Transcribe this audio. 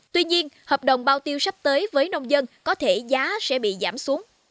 tuy nhiên hợp đồng bao tiêu sắp tới với nông dân có thể giá sẽ bị giảm xuống